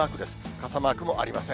傘マークもありません。